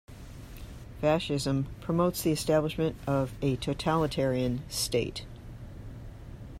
Fascism promotes the establishment of a totalitarian state.